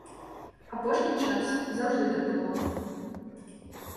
Апошні час заўжды так было.